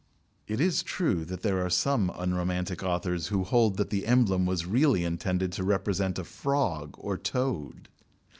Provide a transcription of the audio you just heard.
(It is true that there are some unromantic authors who hold that the emblem was really intended to represent a frog or toad!)